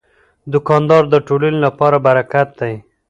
دوکاندار د ټولنې لپاره برکت دی.